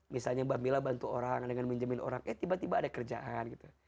misalnya mbak mila bantu orang dengan menjamin orang eh tiba tiba ada kerjaan gitu